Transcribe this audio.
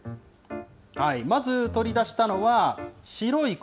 まず、取り出したのは、白い粉。